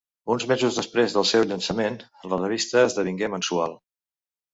Uns mesos després del seu llançament, la revista esdevingué mensual.